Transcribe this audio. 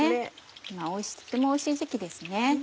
今とてもおいしい時期ですね。